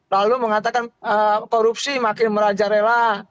lalu mengatakan korupsi makin meraja rela